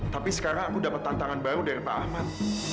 tapi sekarang aku dapat tantangan baru dari pak ahmad